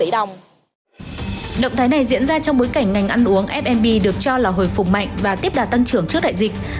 động thái này diễn ra trong bối cảnh ngành ăn uống fmb được cho là hồi phục mạnh và tiếp đạt tăng trưởng trước đại dịch